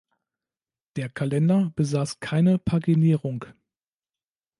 Der Kalender besaß keine Paginierung.